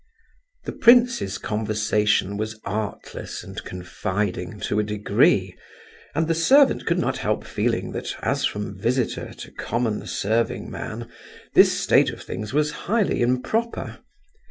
The prince's conversation was artless and confiding to a degree, and the servant could not help feeling that as from visitor to common serving man this state of things was highly improper.